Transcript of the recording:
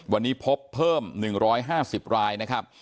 วันนี้พบเพิ่ม๑๕๐รายนะครับ